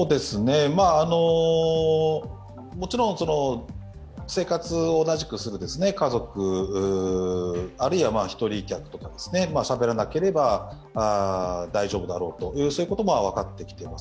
もちろん生活を同じくする家族あるいは一人客とかしゃべらなければ大丈夫だろうということまでは分かってきています。